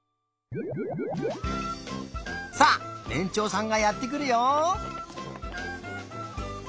さあねんちょうさんがやってくるよ！